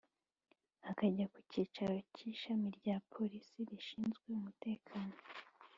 akajya ku kicaro cy’ishami rya Polisi rishinzwe umutekano